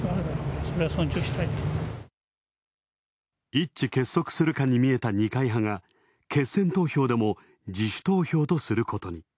一致結束するかに見えた二階派が決選投票でも自主投票とすることに。